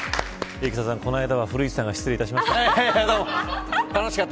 生田さん、この間は古市さんが失礼いたしました。